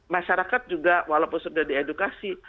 masyarakat juga walaupun sudah diedukasi